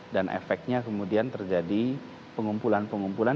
dan efeknya kemudian terjadi pengumpulan pengumpulan